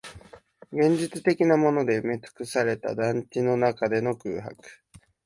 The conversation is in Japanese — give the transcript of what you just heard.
現実的なもので埋めつくされた団地の中での空白